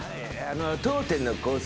当店のコース